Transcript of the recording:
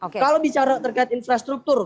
kalau bicara terkait infrastruktur